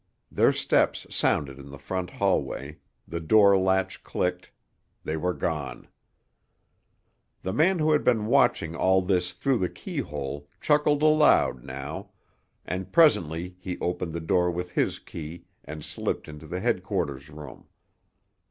Their steps sounded in the front hallway, the door latch clicked—they were gone. The man who had been watching all this through the keyhole chuckled aloud now, and presently he opened the door with his key and slipped into the headquarters room.